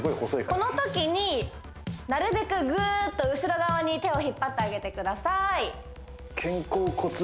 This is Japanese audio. このときになるべくグーッと後ろ側に手を引っ張ってあげてください